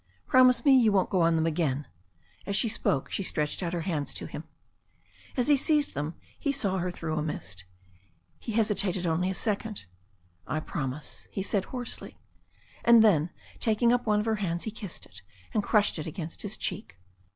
"Promise me you won't go on them again." As she spoke she stretched out her hands to him. As he seized them he saw her through a mist. He hesi tated only a second. "I promise," he said hoarsely ; and then, taking up one of her hands, he kissed it, and crushed it against his cheek.